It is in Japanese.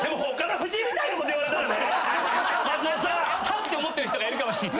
ハッ！って思ってる人がいるかも。